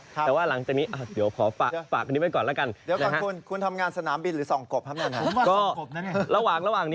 แต่ว่าหลังจากนี้เดี๋ยวขอฝากอันนี้ไว้ก่อนแล้วกัน